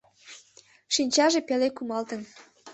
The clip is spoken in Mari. Шинчаже пеле кумалтын.